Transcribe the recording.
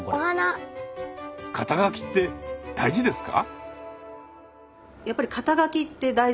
肩書って大事ですか？